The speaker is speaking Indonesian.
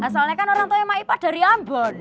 soalnya kan orang taunya mak ipa dari ambon